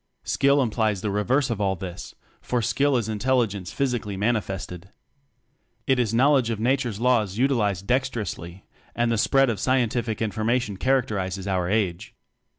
Skill implies the reverse of all this, for skill is intelligence physically manifested. It is knowledge of Na ture's Laws utilized dexterously and the spread of scientific information characterizes our age.